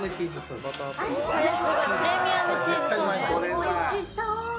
おいしそう！